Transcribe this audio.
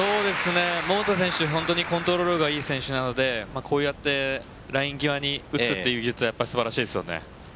コントロールがいい選手なのでこうやってライン際に打つという技術は素晴らしいですよね。